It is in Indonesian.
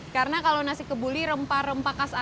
karena kalau nasi kebuli rempah rempah khas arab